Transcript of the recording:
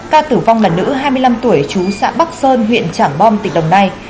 ca tử vong là nữ hai mươi năm tuổi chú xã bắc sơn huyện trảng bom tỉnh đồng nai